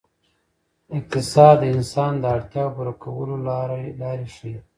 اقتصاد د انسان د اړتیاوو پوره کولو لارې ښيي.